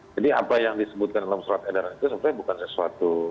jadi apa yang disebutkan dalam surat edaran itu sebenarnya bukan sesuatu